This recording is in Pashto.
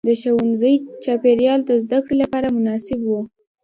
د ښوونځي چاپېریال د زده کړې لپاره مناسب و.